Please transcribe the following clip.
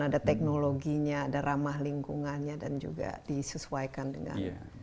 ada teknologinya ada ramah lingkungannya dan juga disesuaikan dengan